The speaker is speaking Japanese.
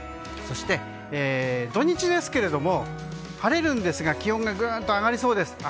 そして土日ですけれども晴れるんですが気温がグーンと上がりそうです。